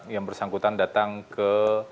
yang bersangkutan datang ke